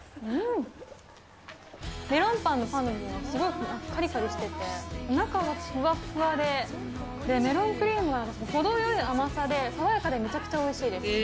メロンパンのパンの部分がすごくかりかりしてて、中はふわっふわで、メロンクリームは程よい甘さで、爽やかでめちゃくちゃおいしいです。